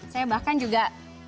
saya bahkan juga